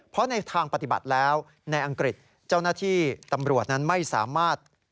เพราะในทางปฏิบัติแล้วในอังกฤษเจ้าหน้าที่ตำรวจนั้นไม่สามารถ